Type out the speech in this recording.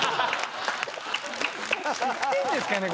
知ってんですかね？